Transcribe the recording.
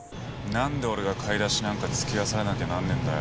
何で俺が買い出しなんか付き合わされなきゃなんねえんだよ。